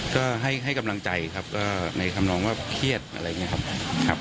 ก็ให้กำลังใจครับก็ในคำนองว่าเครียดอะไรเงี้ยครับ